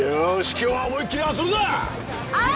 今日は思いっきり遊ぶぞ！